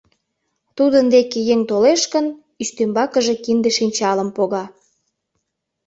Тудын деке еҥ толеш гын, ӱстембакыже кинде-шинчалым пога.